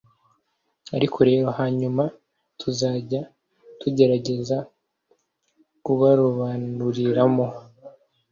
ariko rero hanyuma tuzajya tugerageza kubarobanuriramo